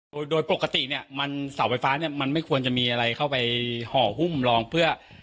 โดยโดยปกติเนี่ยมันเสาไฟฟ้าเนี่ยมันไม่ควรจะมีอะไรเข้าไปห่อหุ้มลองเพื่อ